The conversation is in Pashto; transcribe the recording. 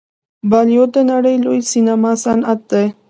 بالیووډ د نړۍ لوی سینما صنعت دی.